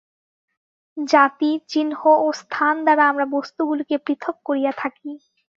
জাতি, চিহ্ন ও স্থান দ্বারা আমরা বস্তুগুলিকে পৃথক করিয়া থাকি।